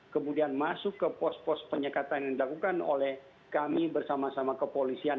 kemudian masuk ke pos pos penyekatan yang dilakukan oleh kami bersama sama kepolisian